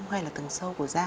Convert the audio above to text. hay là tầng sâu của da